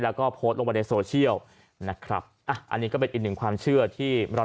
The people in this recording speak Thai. แล้วก็โพสต์ลงไปในโซเชียลนะครับอ่ะอันนี้ก็เป็นอีกหนึ่งความเชื่อที่เรา